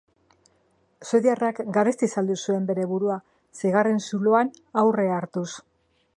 Suediarrak garesti saldu zuen bere burua, seigarren zuloan aurrea hartuz.